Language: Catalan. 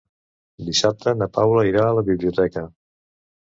Dissabte na Paula irà a la biblioteca.